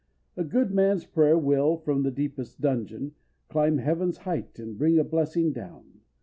A good man's prayer will, from the deepest dungeon, climb heaven's height, and bring a blessing down.